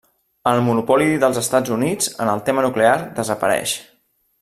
El monopoli dels Estats Units en el tema nuclear desapareix.